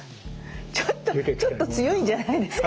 ちょっとちょっと強いんじゃないですか。